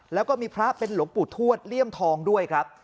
แล้วก็มีพระเป็นหลวงปู่ทวดเลี่ยมทองด้วยครับ